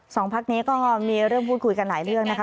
พักนี้ก็มีเรื่องพูดคุยกันหลายเรื่องนะคะ